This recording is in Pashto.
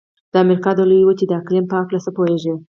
د امریکا د لویې وچې د اقلیم په هلکه څه پوهیږئ؟